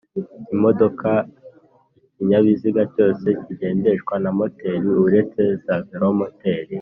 ImodokaIkinyabiziga cyose kigendeshwa na moteri uretse za velomoteri,